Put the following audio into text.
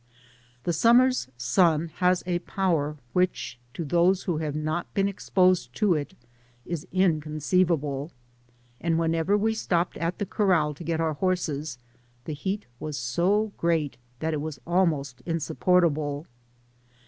The summer's sun has a power which, to those who have not been exposed to it, is inconceivable, and whenever we stopped at the corr&l to get our horses, the heat was so great that it was almost insup portable.